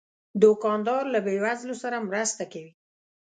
دوکاندار له بې وزلو سره مرسته کوي.